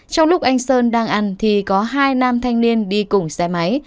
trong lúc anh sơn đang ăn thì có hai nam thanh niên đi cùng xe máy